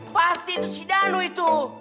pasti itu si danu itu